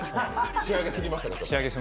仕上げすぎましたか？